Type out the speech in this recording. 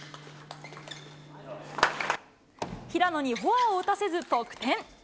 平野にフォアを打たせず、得点。